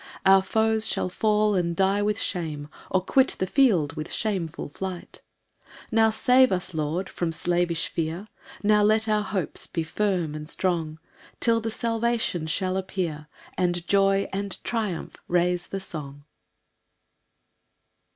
Our foes shall fall and die with shame, Or quit the field with shameful flight.] 7 Now save us, Lord, from slavish fear; Now let our hopes be firm and strong, Till the salvation shall appear, And joy and triumph raise the song.